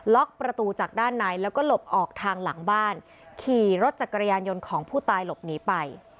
ประตูจากด้านในแล้วก็หลบออกทางหลังบ้านขี่รถจักรยานยนต์ของผู้ตายหลบหนีไป